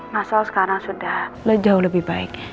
masal sekarang sudah jauh lebih baik